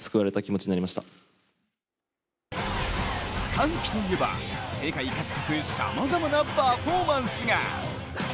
歓喜といえば世界各国さまざまなパフォーマンスが。